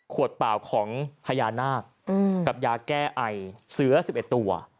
เปล่าของพญานาคกับยาแก้ไอเสือ๑๑ตัว